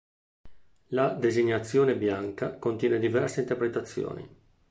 La designazione "bianca" contiene diverse interpretazioni.